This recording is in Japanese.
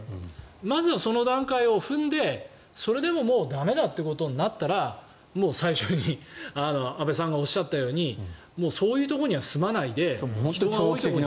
まずはその段階を踏んでそれでももう駄目だということになったらもう最初に安部さんがおっしゃったようにそういうところには住まないでと。